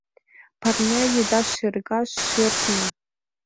Парня еда шергаш — шӧртньӧ